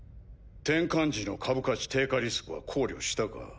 転換時の株価値低下リスクは考慮したか？